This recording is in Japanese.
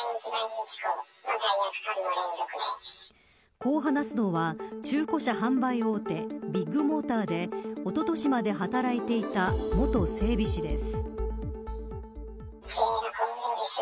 こう話すのは、中古車販売大手ビッグモーターでおととしまで働いていた元整備士です。